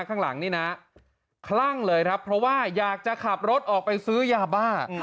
ข้างหลังนี่นะคลั่งเลยครับเพราะว่าอยากจะขับรถออกไปซื้อยาบ้า